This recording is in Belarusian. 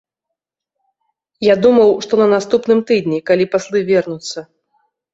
Я думаў, што на наступным тыдні, алі паслы вернуцца.